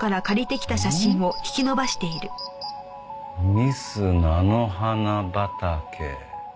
ミス菜の花畑。